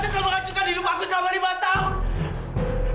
t dewi mengacukan hidup aku selama lima tahun